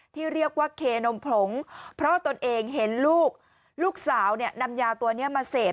ที่เรียกว่าเคนมผงเพราะตนเองเห็นลูกลูกสาวเนี่ยนำยาตัวนี้มาเสพ